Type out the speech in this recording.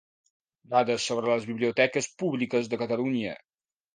Dades sobre les biblioteques públiques de Catalunya.